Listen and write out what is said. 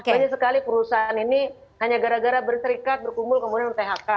banyak sekali perusahaan ini hanya gara gara berserikat berkumpul kemudian phk